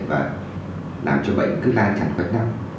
và làm cho bệnh cứ lan tràn qua năm